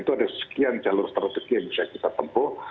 itu ada sekian jalur strategi yang bisa kita tempuh